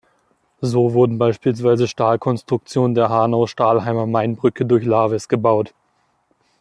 So wurden beispielsweise Stahlkonstruktion der Hanau-Steinheimer Mainbrücke durch Lavis gebaut.